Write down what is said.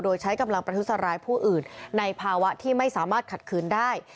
โดยใช้กำลังประทุษร้ายผู้อื่นในภาวะที่ไม่สามารถขัดคืนได้